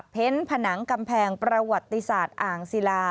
ผนังกำแพงประวัติศาสตร์อ่างศิลา